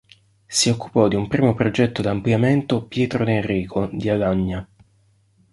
Si occupò di un primo progetto d'ampliamento Pietro d'Enrico, di Alagna.